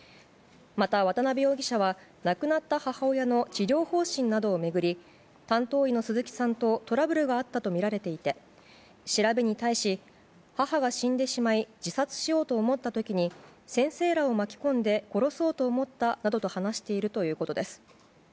また渡辺容疑者は亡くなった母親の治療方針などを巡り担当医の鈴木さんとトラブルがあったとみられていて調べに対し、母が死んでしまい自殺しようと思った時に先生らを巻き込んで殺そうと思ったなどと話しているということです。